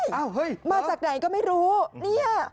ไม่มาจากไหนก็ไม่รู้